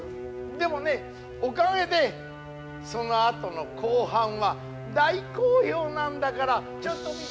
でもねおかげでそのあとの後半は大好評なんだからちょっと見て。